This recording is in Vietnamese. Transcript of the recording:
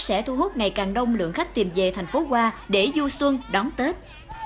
sẽ thu hút ngày càng đông lượng khách tìm về thành phố hoa để du xuân đón tết